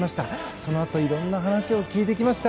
そのあと、いろんな話を聞いてきました。